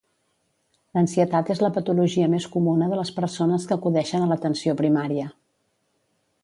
L'ansietat és la patologia més comuna de les persones que acudeixen a l'atenció primària.